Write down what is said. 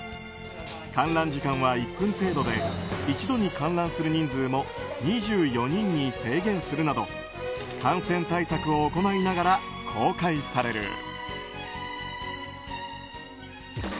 観覧時間は１分程度で一度に観覧する人数も２４人に制限するなど感染対策を行いながら公開される。